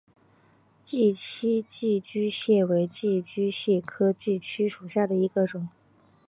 泥栖寄居蟹为寄居蟹科寄居蟹属下的一个种。